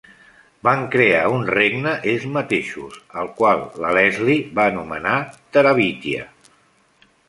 Van crear un regne ells mateixos, el qual la Leslie va anomenar Terabithia.